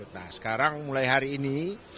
nah sekarang mulai hari ini